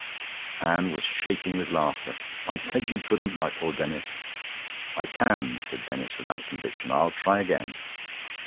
Anne was shaking with laughter. "I said you couldn't, my poor Denis." "I can," said Denis, without conviction. "I'll try again."